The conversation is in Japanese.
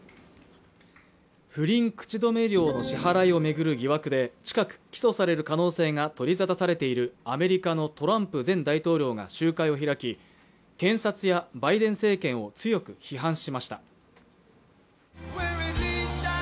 不倫口止め料の支払いを巡る疑惑で近く、起訴される可能性が取り沙汰されているアメリカのトランプ前大統領が集会を開き、検察やバイデン政権を強く批判しました。